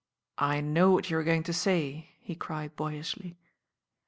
"I know what you were going to say," he cried boyishly.